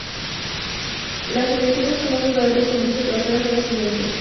Las Selecciones con más jugadores con dicho trofeo son los siguientes.